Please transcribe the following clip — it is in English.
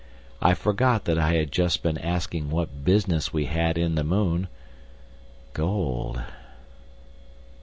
I forgot that I had just been asking what business we had in the moon. Gold....